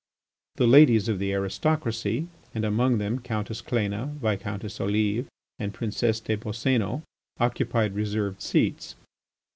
The ladies of the aristocracy, and among them Countess Cléna, Viscountess Olive, and Princess des Boscénos, occupied reserved seats.